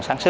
sở nội vụ